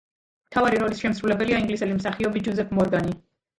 მთავარი როლის შემსრულებელია ინგლისელი მსახიობი ჯოზეფ მორგანი.